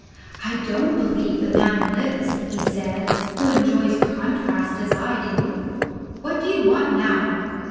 "I don't believe the man lives," he said, "who enjoys Contrast as I do. What do you want now?"